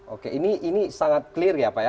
oke ini sangat clear ya pak ya